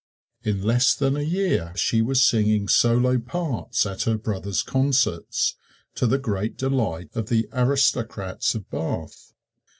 In less than a year she was singing solo parts at her brother's concerts, to the great delight of the aristocrats of Bath.